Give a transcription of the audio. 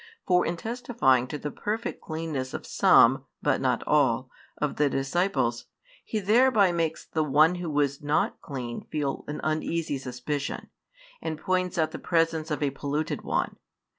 For in testifying to the perfect cleanness of some [but not all] of the disciples, He thereby makes the one who was not clean feel an uneasy suspicion, and points out the presence of a polluted one.